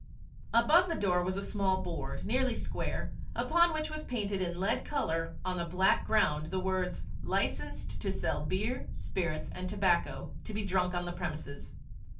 Above the door was a small board, nearly square, upon which was painted in lead colour on a black ground the words, "Licensed to sell beer, spirits, and tobacco to be drunk on the premises."